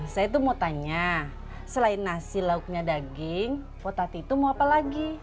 saya tuh mau tanya selain nasi lauknya daging potati itu mau apa lagi terserah ibu aja ya bu